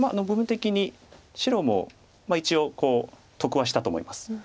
部分的に白も一応得はしたと思います。